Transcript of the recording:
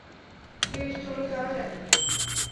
বেশ, চলো যাওয়া যাক।